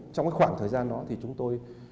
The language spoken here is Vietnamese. trong cái khoảng thời gian đó thì chúng tôi